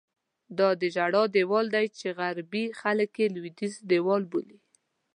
دا د ژړا دیوال دی چې غربي خلک یې لوېدیځ دیوال بولي.